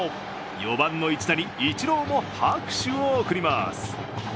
４番の一打にイチローも拍手を送ります。